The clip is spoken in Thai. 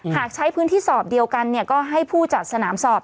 หากใช้พื้นที่สอบเดียวกันก็ให้ผู้จัดสนามสอบ